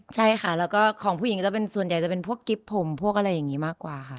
ใช่ค่ะแล้วก็ของผู้หญิงก็จะเป็นส่วนใหญ่จะเป็นพวกกิ๊บผมพวกอะไรอย่างนี้มากกว่าค่ะ